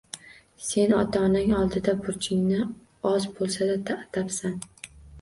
Sen ota-onang oldidagi burchingni oz boʻlsa-da oʻtabsan